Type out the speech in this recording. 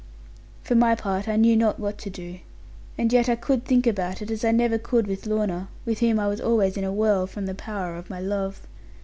For my part, I knew not what to do. And yet I could think about it, as I never could with Lorna; with whom I was always in a whirl, from the power of my love.